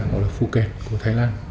đó là phuket của thái lan